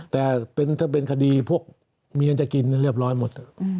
แต่ถ้าเป็นคดีพวกเมียนจะกินเรียบร้อยหมด